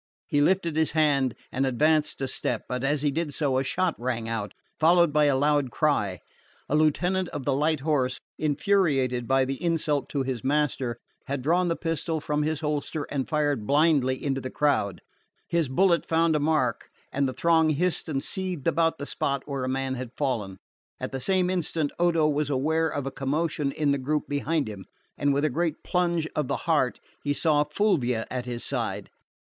He lifted his hand and advanced a step; but as he did so a shot rang out, followed by a loud cry. The lieutenant of the light horse, infuriated by the insult to his master, had drawn the pistol from his holster and fired blindly into the crowd. His bullet had found a mark, and the throng hissed and seethed about the spot where a man had fallen. At the same instant Odo was aware of a commotion in the group behind him, and with a great plunge of the heart he saw Fulvia at his side.